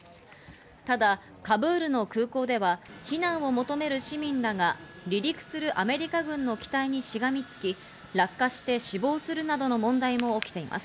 ただカブールの空港では避難を求める市民らが離陸するアメリカ軍の機体にしがみつき、落下して死亡するなどの問題も起きています。